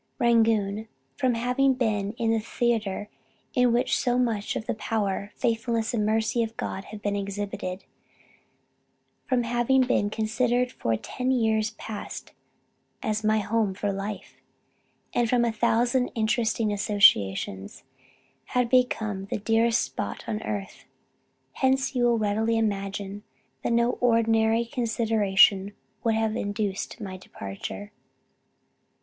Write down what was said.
"Rangoon, from having been the theatre in which so much of the power, faithfulness and mercy of God have been exhibited; from having been considered for ten years past as my home for life, and from a thousand interesting associations, had become the dearest spot on earth. Hence you will readily imagine, that no ordinary consideration would have induced my departure."